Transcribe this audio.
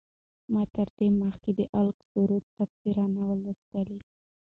ما تر دې مخکې د علق سورت تفسیر نه و لوستی.